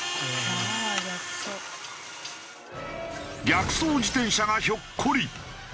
逆走自転車がひょっこり。